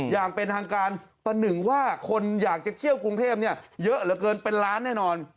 อย่างเป็นทางการประหนึ่งว่าคนอยากจะเที่ยวกรุงเทพเยอะเหลือเกินเป็นล้านแน่นอน